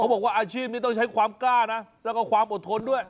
บอกว่าอาชีพนี้ต้องใช้ความกล้านะแล้วก็ความอดทนด้วย